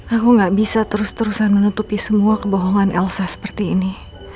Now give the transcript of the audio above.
aku gak bisa terus terusan menutupi semua kebohongan elsa seperti ini